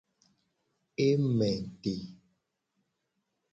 E me te.